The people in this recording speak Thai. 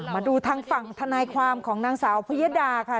มาดูทางฝั่งทนายความของนางสาวพยดาค่ะ